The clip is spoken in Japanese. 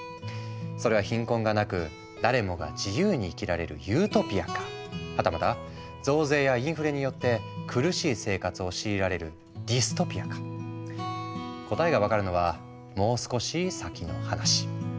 それは貧困がなく誰もが自由に生きられるユートピアかはたまた増税やインフレによって苦しい生活を強いられるディストピアか答えが分かるのはもう少し先の話。